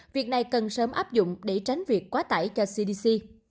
việc này cần sớm áp dụng để tránh việc quá tải cho cdc